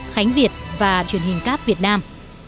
khánh việt và truyền hình cáp việt nam